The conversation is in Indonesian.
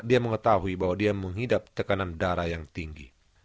dia mengetahui bahwa dia menghidap tekanan darah yang tinggi